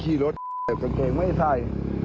มีรถมันไม่ใส่